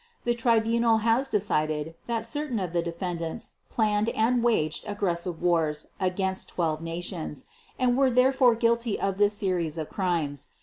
The Tribunal has decided that certain of the defendants planned and waged aggressive wars against 12 nations, and were therefore guilty of this series of crimes.